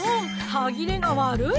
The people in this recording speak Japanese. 歯切れが悪い！